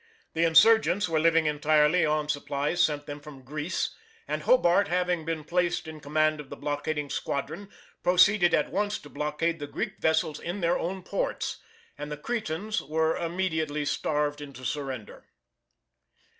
The insurgents were living entirely on supplies sent them from Greece, and Hobart having been placed in command of the blockading squadron proceeded at once to blockade the Greek vessels in their own ports, and the Cretans were immediately starved into surrender.